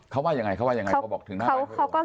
เขาว่ายังไงพอบอกถึงหน้าบ้านเขาให้โอน